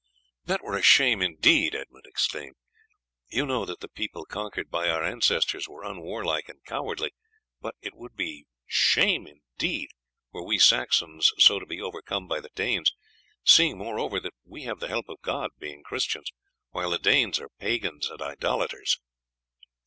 "That were shame indeed," Edmund exclaimed. "We know that the people conquered by our ancestors were unwarlike and cowardly; but it would be shame indeed were we Saxons so to be overcome by the Danes, seeing moreover that we have the help of God, being Christians, while the Danes are pagans and idolaters."